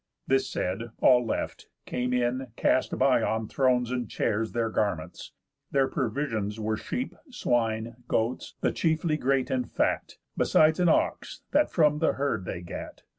_ This said, all left, came in, cast by, on thrones And chairs, their garments. Their provisións Were sheep, swine, goats, the chiefly great and fat, Besides an ox that from the herd they gat.